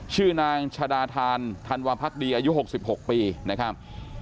ชื่อนางชาดาธานธันวาพักดีอายุ๖๖ปีนะครับ